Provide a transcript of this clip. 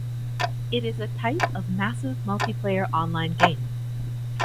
It is a type of massively multiplayer online game.